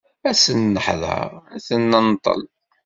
Ad sen-neḥder ad ten-nenṭel.